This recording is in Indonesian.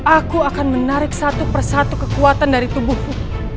aku akan menarik satu persatu kekuatan dari tubuhku